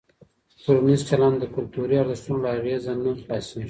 ټولنیز چلند د کلتوري ارزښتونو له اغېزه نه خلاصېږي.